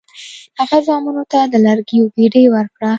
هغه زامنو ته د لرګیو ګېډۍ ورکړه.